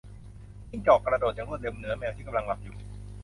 จิ้งจอก กระโดดอย่างรวดเร็ว เหนือแมวที่กำลังหลับอยู่